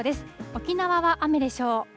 沖縄は雨でしょう。